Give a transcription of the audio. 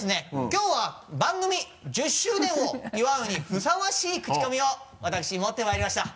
きょうは番組１０周年を祝うにふさわしいクチコミを私持ってまいりました。